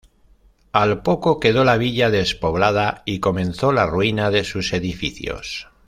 Al poco quedó la villa despoblada y comenzó la ruina de sus edificios.